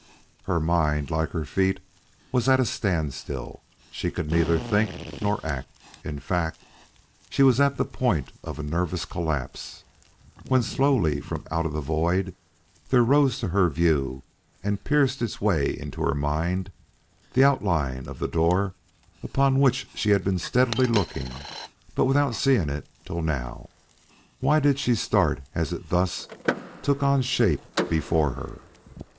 Her mind, like her feet, was at a standstill. She could neither think nor act. In fact, she was at the point of a nervous collapse, when slowly from out the void there rose to her view and pierced its way into her mind the outline of the door upon which she had been steadily looking but without seeing it till now. Why did she start as it thus took on shape before her?